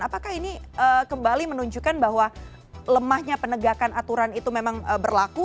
apakah ini kembali menunjukkan bahwa lemahnya penegakan aturan itu memang berlaku